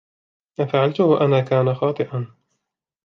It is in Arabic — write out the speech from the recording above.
ما فعلته أنا كان خاطئاً.